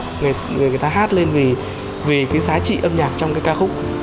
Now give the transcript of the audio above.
người ta hát lên vì cái giá trị âm nhạc trong cái ca khúc